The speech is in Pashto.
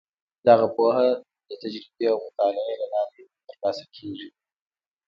دغه پوهه د تجربې او مطالعې له لارې ترلاسه کیږي.